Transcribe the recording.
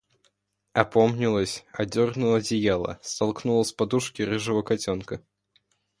Опомнилась, одернула одеяло, столкнула с подушки рыжего котенка.